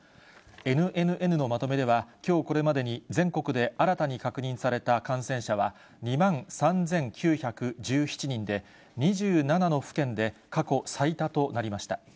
ＮＮＮのまとめでは、きょうこれまでに全国で新たに確認された感染者は２万３９１７人で、２７の府県で過去最多となりました。